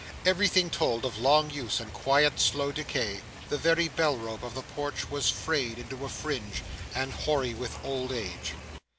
Everything told of long use and quiet slow decay; the very bell rope in the porch was frayed into a fringe, and hoary with old age.